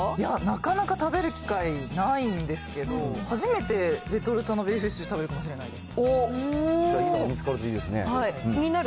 いや、なかなか食べる機会ないんですけど、初めてレトルトのビーフシチュー、食べるかもしれないです。